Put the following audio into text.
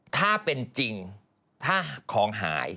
ถ้าเป็นจริงถ้าของหาย